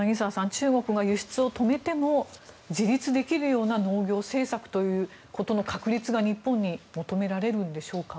中国が輸出を止めても自立できるような農業政策ということの確立が日本に求められるんでしょうか。